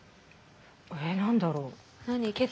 え何だろう？